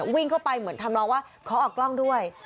วิ่งเข้าไปเหมือนทำนองว่าขอออกกล้องด้วย